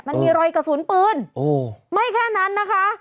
มันมีรอยกระสุนปืนไม่แค่นั้นนะคะ